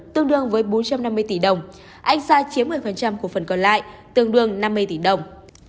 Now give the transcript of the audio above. tương đương với bốn trăm năm mươi tỷ đồng anh sa chiếm một mươi của phần còn lại tương đương năm mươi tỷ đồng